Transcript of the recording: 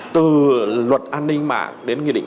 từ luật an ninh mạng đến nghị định bảy mươi hai